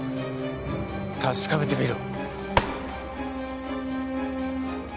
確かめてみろ。